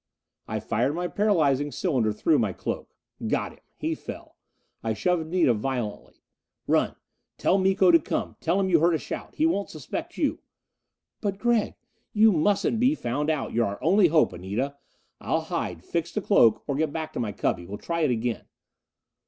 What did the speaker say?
I fired my paralyzing cylinder through my cloak. Got him! He fell. I shoved Anita violently. "Run! Tell Miko to come tell him you heard a shout! He won't suspect you!" "But Gregg " "You mustn't be found out! You're our only hope, Anita! I'll hide, fix the cloak, or get back to my cubby. We'll try it again."